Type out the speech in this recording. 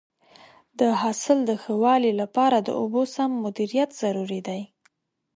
د حاصل د ښه والي لپاره د اوبو سم مدیریت ضروري دی.